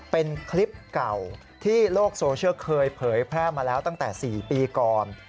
เป็นคลิปเก่าที่โลกโซเชียลเคยเผยแพร่มาแล้วตั้งแต่๔ปีก่อน